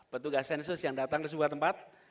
petugas sensus yang datang ke sebuah tempat